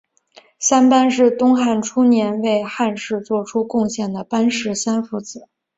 三班是东汉初年为汉室作出贡献的班氏三父子。